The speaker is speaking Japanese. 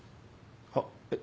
はっえっ？